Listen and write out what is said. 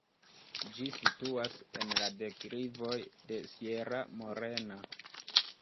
Ĝi situas en la deklivoj de Sierra Morena.